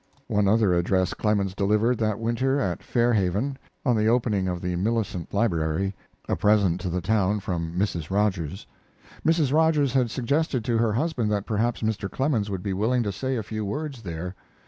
One other address Clemens delivered that winter, at Fair Haven, on the opening of the Millicent Library, a present to the town from Mrs. Rogers. Mrs. Rogers had suggested to her husband that perhaps Mr. Clemens would be willing to say a few words there.